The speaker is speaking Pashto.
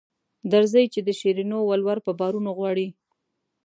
درځئ چې د شیرینو ولور په بارونو غواړي.